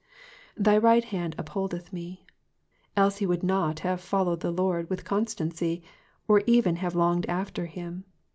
TAy right liand vpholdeth m«." Else he would not have followed the Lord with constancy, or even have longed after him.